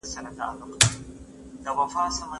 په بازارونو کي باید د خوراکي توکو بیې کنټرول وي.